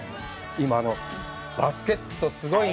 今、バスケットすごいね。